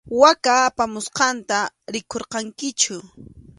Waka apamusqanta rikurqankichu.